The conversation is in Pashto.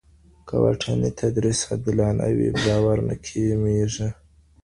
که واټني تدریس عادلانه وي، باور نه کمېږي.